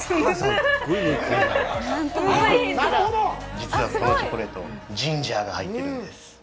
実はこのチョコレート、ジンジャーが入っているんです。